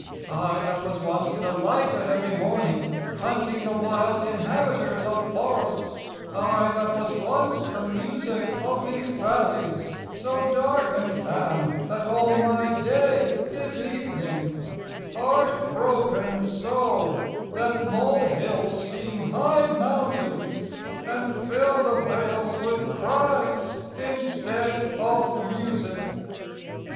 I that was once delighted every morning y Hunting the wilde inhabiters of forrests y I that was once the musique of these v allies y So darkened am y that all my day is evening y Hart broken so y that molehilles seeme high mount aines y And fill the vales with cries in steed of musique